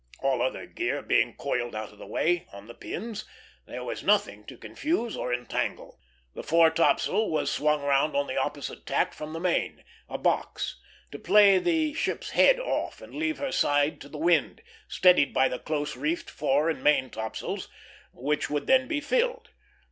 All other gear being coiled out of the way, on the pins, there was nothing to confuse or entangle; the fore topsail was swung round on the opposite tack from the main, a box, to pay the ship's head off and leave her side to the wind, steadied by the close reefed fore and main topsails, which would then be filled.